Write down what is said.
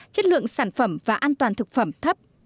chất lượng sản phẩm và an toàn thực phẩm thấp